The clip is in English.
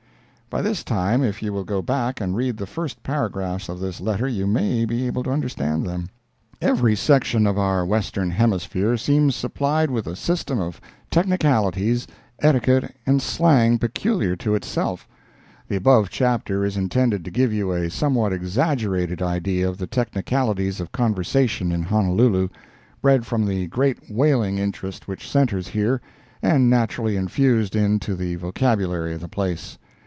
By this time, if you will go back and read the first paragraphs of this letter you may be able to understand them. Every section of our western hemisphere seems supplied with a system of technicalities, etiquette and slang, peculiar to itself. The above chapter is intended to give you a somewhat exaggerated idea of the technicalities of conversation in Honolulu—bred from the great whaling interest which centers here, and naturally infused in to the vocabulary of the place.